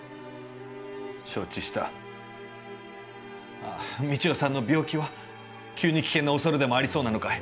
「承知した三千代さんの病気は、急に危険なおそれでもありそうなのかい」。